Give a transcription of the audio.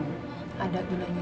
itu dia bu